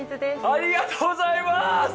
ありがとうございます！